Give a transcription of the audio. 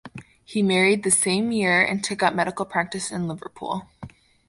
He married the same year and took up medical practice in Liverpool.